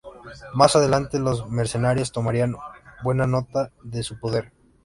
Más adelante, los mercenarios tomarían buena nota de su poder.